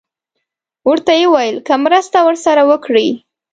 ورته یې وویل که مرسته ورسره وکړي.